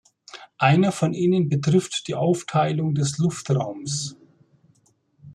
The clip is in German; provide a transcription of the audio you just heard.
Einer von ihnen betrifft die Aufteilung des Luftraums.